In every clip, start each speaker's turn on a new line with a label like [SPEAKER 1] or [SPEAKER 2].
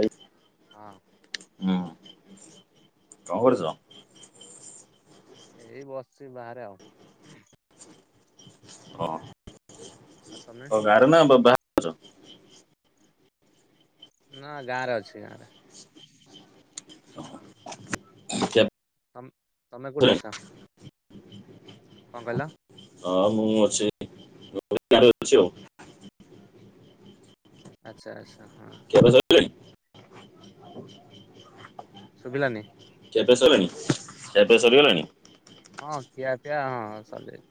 [SPEAKER 1] ଆଇଫ୍
[SPEAKER 2] ହଁ।
[SPEAKER 1] ହୁଁ କଣ କରୁଛ?
[SPEAKER 2] ଏଇ ବସିଛି ବାହାରେ ଆଉ।
[SPEAKER 1] ହ
[SPEAKER 2] ଆଉ ତମେ
[SPEAKER 1] କଣ ଗାଁରେ ନା ବା-ବାହାର ଅଛ?
[SPEAKER 2] ନା ଗାଁ ରେ ଅଛି ଗାଁରେ।
[SPEAKER 1] ଯା
[SPEAKER 2] ତମ ତମେ କୋଉଠି ଅଛ? କଣ କହିଲ?
[SPEAKER 1] ହଁ ମୁଁ ଅଛି ଅଛି ଆଉ।
[SPEAKER 2] ଆଚ୍ଛା ଆଚ୍ଛା। ହଁ।
[SPEAKER 1] ଖିଆପିଆ ସଇଲାଣି?
[SPEAKER 2] ଶୁଭିଲାନି।
[SPEAKER 1] ଖିଆପିଆ ସରିଲାଣି ଖିଆପିଆ ସରିଗଲାଣି।
[SPEAKER 2] ହଁ ଖିଆପିଆ ହଁ ସରି ଯାଇଛି।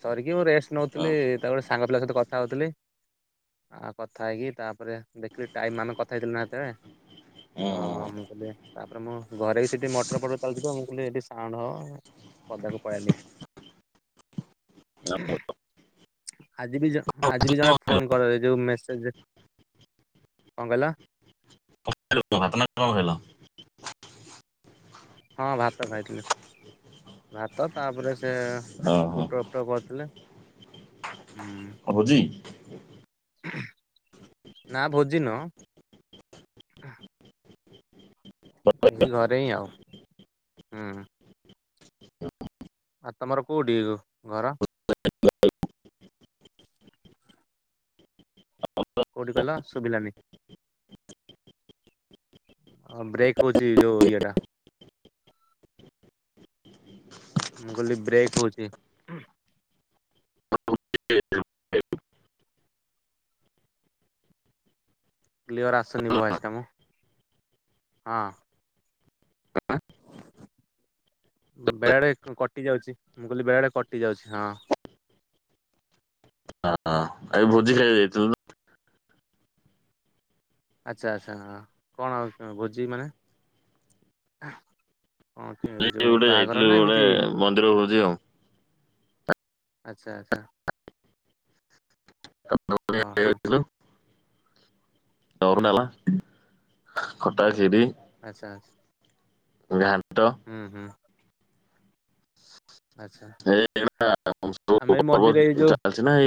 [SPEAKER 2] ସରିକି ମୁଁ ରେଷ୍ଟ
[SPEAKER 1] ହଁ
[SPEAKER 2] ନଉଥିଲି ତାପରେ ସାଙ୍ଗ ପିଲାଙ୍କ ସହିତ କଥା ହଉଥିଲି। ଆଉ କଥା ହେଇକି ତାପରେ ଦେଖିଲି ଟାଇମ ଆମେ କଥା ହେଇଥିଲି ହେତବେଳେ। ହଁ
[SPEAKER 1] ହୁଁ
[SPEAKER 2] ହଁ ମୁ [unintelligible] ତାପରେ ମୁଁ ଘରେ ବି ସେଇଠି ମଟର ଫଟର ଚାଲୁଛି ତ ମୁଁ କହିଲି ସେଇଠି ସାଉଣ୍ଡ ହବ ପଦାକୁ ପଳେଇଲି। ଆଜି ବି ଆଜି ବି ଜଣେ ଫୋନ କର ଯୋଉ ମେସେଜ କଣ କହିଲ?
[SPEAKER 1] [unintelligible]
[SPEAKER 2] ହଁ ଭାତ ଖାଇଥିଲି ଭାତ ତାପରେ ସେ
[SPEAKER 1] ଓହୋ
[SPEAKER 2] ପୁଟଳ ଟ କରଥିଲେ।
[SPEAKER 1] ଭୋଜି
[SPEAKER 2] ନା ଭୋଜିି ନୁହଁ। ଏ ଘରେ ହିଁ ଆଉ ହୁଁ ହୁଁ। ଆଉ ତମର କୋଉଠି ଘର?
[SPEAKER 1] ହଁ
[SPEAKER 2] କୋଉଠି କହିଲ ଶୁଭିଲାନି। ହଁ ବ୍ରେକ୍ ହଉଛି ଯୋଉ ଇଏ ଟା। ମୁଁ କହିଲି ବ୍ରେକ୍ ହଉଛି।
[SPEAKER 1] [unintelligible]
[SPEAKER 2] କ୍ଲିଅର୍ ଆସୁନି ଭଏସଟା ମ ହଁ। ବେଳେଡେ କଟି ଯାଉଛି ମୁଁ କହିଲି ବେଳେଡେ କଟି ଯାଉଛି ହଁ।
[SPEAKER 1] ଆଉ ଭୋଜି ଖାଇ ଯାଇଥିଲୁ
[SPEAKER 2] ଆଚ୍ଛା ଆଚ୍ଛା କଣ ଆଉ ଭୋଜି ମାନେ? ହଁ ଏଇ ଯୋଉ
[SPEAKER 1] ଗୋଟେ
[SPEAKER 2] ବାହାଘର
[SPEAKER 1] ଯାଇଥିଲୁ
[SPEAKER 2] ନା
[SPEAKER 1] ଗୋଟେ
[SPEAKER 2] ଏମିତି?
[SPEAKER 1] ମନ୍ଦିର ଭୋଜି ଆଉ।
[SPEAKER 2] ଆଚ୍ଛା ଆଚ୍ଛା। ଓହୋ। ହୁଁ
[SPEAKER 1] ଦରୁନଲା ଖଟା କ୍ଷୀରି।
[SPEAKER 2] ଆଚ୍ଛା ଆଚ୍ଛା।
[SPEAKER 1] ଘାଣ୍ଟ।
[SPEAKER 2] ହୁଁ ହୁଁ। ଆଚ୍ଛା।
[SPEAKER 1] ଏ
[SPEAKER 2] ଆମେ ଏଇ ମଝିରେ ଏଇ
[SPEAKER 1] [unintelligible]
[SPEAKER 2] ଯୋଉ
[SPEAKER 1] ଚାଲିଛି ନା ଏ